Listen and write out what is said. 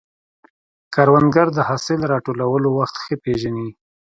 کروندګر د حاصل راټولولو وخت ښه پېژني